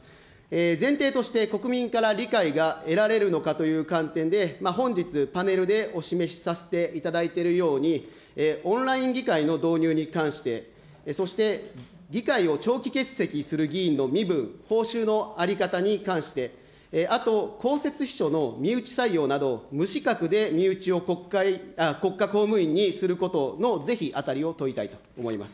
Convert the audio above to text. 前提として、国民から理解が得られるのかという観点で、本日、パネルでお示しさせていただいているように、オンライン議会の導入に関して、そして、議会を長期欠席する議員の身分、報酬の在り方に関して、あと公設秘書の身内採用など、無資格で身内を国家公務員にすることの是非あたりを問いたいと思います。